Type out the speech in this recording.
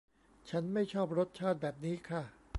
ฉันไม่ชอบรสชาติแบบนี้ค่ะ